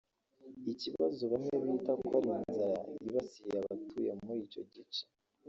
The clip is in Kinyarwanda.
Iki kibazo bamwe bita ko ari inzara yibasiye abatuye muri icyo gice